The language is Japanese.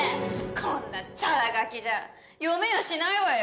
こんなチャラ書きじゃ読めやしないわよ！